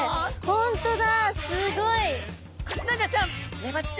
本当だ。